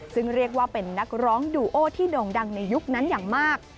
ซึ่งเรียกว่าเป็นนักร้องดูโอที่โด่งดังในยุคนั้นอย่างมาก